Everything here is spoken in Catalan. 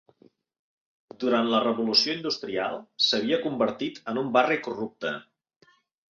Durant la Revolució Industrial, s'havia convertit en un barri corrupte.